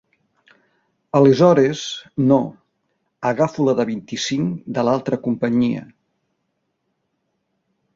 Aleshores no, agafo la de vint-i-cinc de l'altra companyia.